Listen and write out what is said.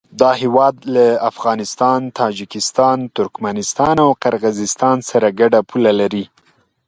دا هېواد له افغانستان، تاجکستان، ترکمنستان او قرغیزستان سره ګډه پوله لري.